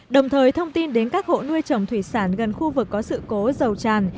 đồng thời thông tin đến các hộ nuôi trồng thủy sản gần khu vực có sự cố dầu tràn